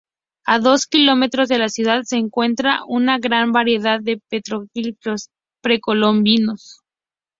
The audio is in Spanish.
A dos kilómetros de la ciudad se encuentra una gran variedad de petroglifos precolombinos.